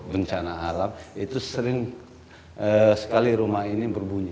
bencana alam itu sering sekali rumah ini berbunyi